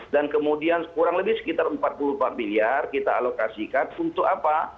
dan kemudian kurang lebih sekitar rp empat puluh empat miliar kita alokasikan untuk apa